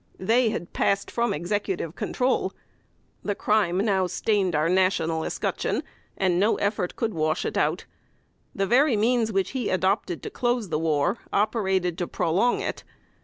They had passed from Executive control. The crime now stained our national escutcheon, and no effort could wash it out. The very means which he adopted to close the war, operated to prolong it.